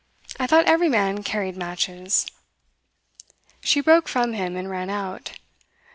I thought every man carried matches.' She broke from him, and ran out.